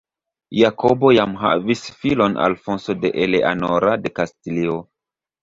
Jakobo jam havis filon Alfonso de Eleanora de Kastilio.